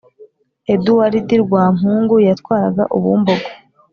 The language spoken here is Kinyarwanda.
Eduwaridi Rwampungu yatwaraga Ubumbogo.